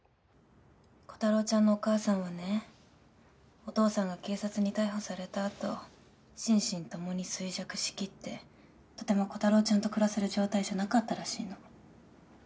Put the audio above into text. コタローちゃんのお母さんはねお父さんが警察に逮捕されたあと心身共に衰弱しきってとてもコタローちゃんと暮らせる状態じゃなかったらしいの。